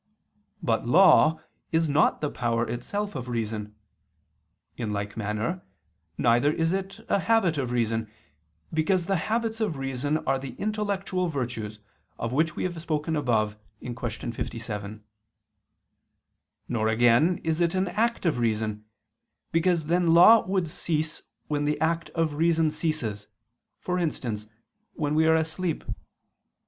But law is not the power itself of reason. In like manner, neither is it a habit of reason: because the habits of reason are the intellectual virtues of which we have spoken above (Q. 57). Nor again is it an act of reason: because then law would cease, when the act of reason ceases, for instance, while we are asleep.